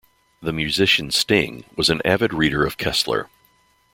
The musician Sting was an avid reader of Koestler.